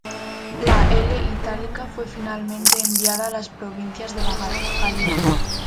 La I Italica fue finalmente enviada a las provincias de la Galia.